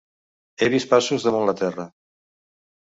He vist passos damunt la terra.